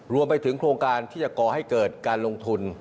รวมไปถึงโครงการที่จะก่อให้เกิดการลงทุน